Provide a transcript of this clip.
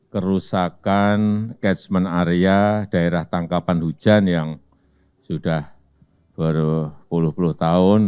kerusakan catchment area daerah tangkapan hujan yang sudah berpuluh puluh tahun